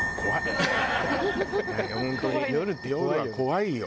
夜は怖いよ。